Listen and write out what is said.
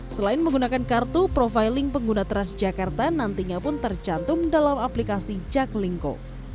selain menggunakan kartu profiling pengguna transjakarta nantinya pun tercantum dalam aplikasi jaklingko